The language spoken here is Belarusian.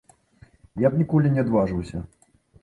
Я б ніколі не адважыўся.